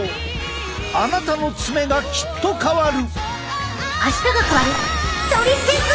あなたの爪がきっと変わる！